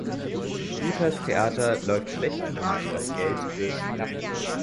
Dutas Theater läuft schlecht und das Geld wird knapp.